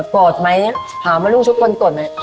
โทษมั้ยเขาว่าชุดคนกดมั้ย